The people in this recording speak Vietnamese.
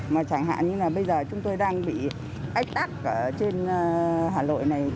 mà chẳng hạn như là bây giờ chúng tôi đang bị ách tắc ở trên hà nội này